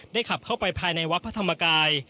ขับเข้าไปภายในวัดพระธรรมกาย